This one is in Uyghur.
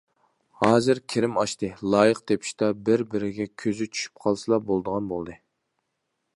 ھازىر كىرىم ئاشتى، لايىق تېپىشتا بىر- بىرىگە كۆزى چۈشۈپ قالسىلا بولىدىغان بولدى.